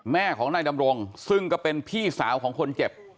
แม่ของนายดำรงซึ่งก็เป็นพี่สาวของคนเจ็บ